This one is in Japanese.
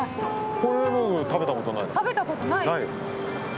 これは僕、食べたことないです。